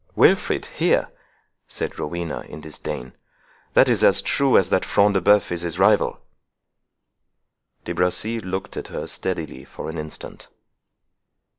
"Wilfred here?" said Rowena, in disdain; "that is as true as that Front de Bœuf is his rival." De Bracy looked at her steadily for an instant.